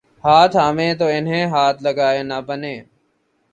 ہاتھ آویں تو انہیں ہاتھ لگائے نہ بنے